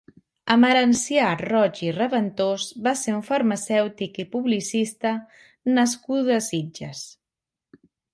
Emerencià Roig i Raventós va ser una farmacèutic i publicista nascuda a Sitges.